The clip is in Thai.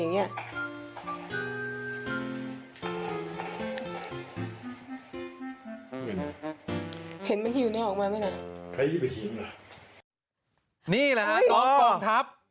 นี่แหละนะกองทัพ